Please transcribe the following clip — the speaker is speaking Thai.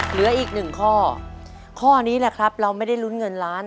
เหลืออีกหนึ่งข้อข้อนี้แหละครับเราไม่ได้ลุ้นเงินล้าน